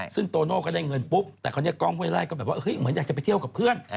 ซึ่งโตโน่ก็ได้เงินปุ๊บแต่คราวนี้กล้องห้วยไล่ก็แบบว่าเหมือนอยากจะไปเที่ยวกับเพื่อน